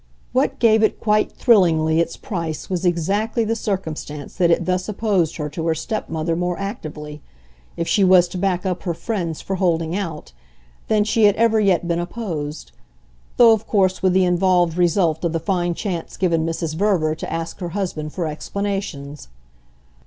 What gave it quite thrillingly its price was exactly the circumstance that it thus opposed her to her stepmother more actively if she was to back up her friends for holding out than she had ever yet been opposed; though of course with the involved result of the fine chance given Mrs. Verver to ask her husband for explanations.